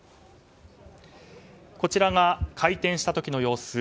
こちらが開店した時の様子。